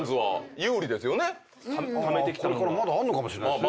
これからまだあるのかもしれないですね